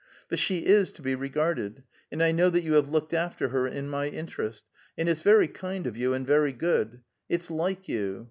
But she is to be regarded, and I know that you have looked after her in my interest; and it's very kind of you, and very good it's like you.